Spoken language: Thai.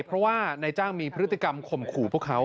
เพราะว่านายจ้างมีพฤติกรรมข่มขู่พวกเขา